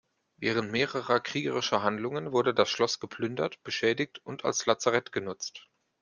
Während mehrerer kriegerischer Handlungen wurde das Schloss geplündert, beschädigt und als Lazarett genutzt.